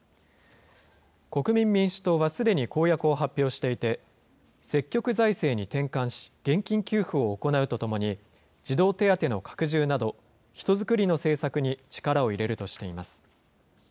国民民主党はすでに公約を発表していて、積極財政に転換し、現金給付を行うとともに、児童手当の拡充など、人づくりの政策に力を入れるとしています。